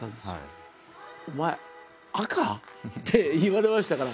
「お前赤？」って言われましたから。